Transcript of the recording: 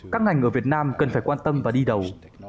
các ngành ở việt nam cần phải quan tâm và đi đầu